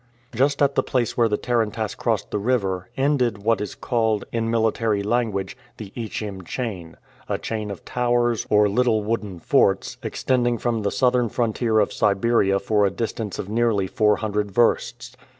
Just at the place where the tarantass crossed the river ended what is called, in military language, the "Ichim chain" a chain of towers, or little wooden forts, extending from the southern frontier of Siberia for a distance of nearly four hundred versts.